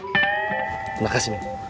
terima kasih aming